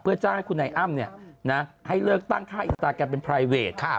จ้างให้คุณนายอ้ำให้เลิกตั้งค่าอินสตาแกรมเป็นไพรเวท